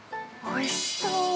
おいしそう。